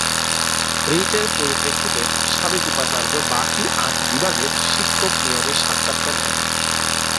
রিটের পরিপ্রেক্ষিতে সাবেক উপাচার্য বাকি আট বিভাগের শিক্ষক নিয়োগের সাক্ষাৎকার নেননি।